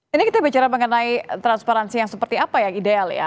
ini kita bicara mengenai transparansi yang seperti apa yang ideal ya